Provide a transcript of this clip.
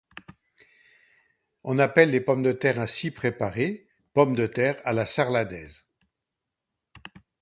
On appelle les pommes de terre ainsi préparées pommes de terre à la sarladaise.